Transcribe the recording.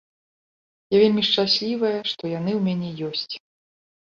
Я вельмі шчаслівая, што яны ў мяне ёсць.